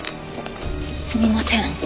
すみません。